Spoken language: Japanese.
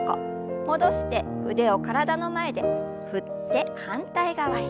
戻して腕を体の前で振って反対側へ。